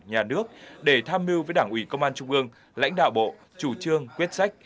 nhà nước để tham mưu với đảng ủy công an trung ương lãnh đạo bộ chủ trương quyết sách